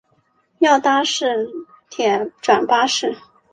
要搭市铁转巴士